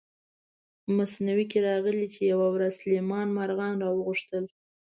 مثنوي کې راغلي چې یوه ورځ سلیمان مارغان را وغوښتل.